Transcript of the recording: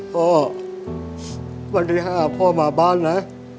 พ่อวันที่ห้าพ่อมาบ้านนะ